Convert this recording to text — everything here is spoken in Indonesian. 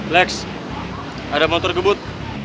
lex ada motor gebut